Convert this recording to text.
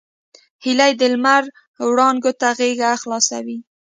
هیلۍ د لمر وړانګو ته غېږه خلاصوي